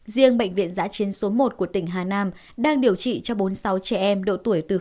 riêng bệnh viện giã chiến số một của tỉnh hà nam đang điều trị cho bốn sáu trẻ em độ tuổi từ đến một mươi năm